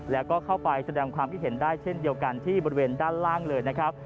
แล้วก็เข้าไปแสดงความคิดเห็นได้เช่นเดียวกันที่บริเวณด้านล่างเลยนะครับ